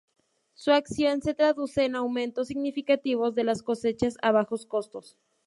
Su acción se traduce en aumentos significativos de las cosechas a bajos costos.